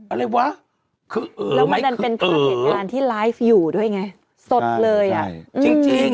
อะไรวะคือเอ๋อไหมแล้วมันก็เป็นข้าวเหตุงานที่อยู่ด้วยไงสดเลยอ่ะจริงจริง